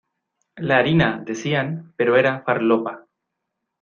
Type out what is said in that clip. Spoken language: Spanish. La harina, decían, pero era farlopa.